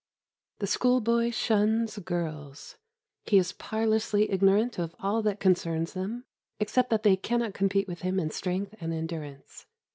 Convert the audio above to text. The school boy shuns girls. He is parlously ignorant of all that concerns them, except that they cannot compete with him in strength and endurance.